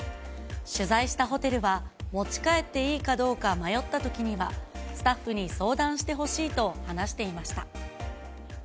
取材したホテルは、持ち帰っていいかどうか迷ったときには、スタッフに相談してほしいと話していました。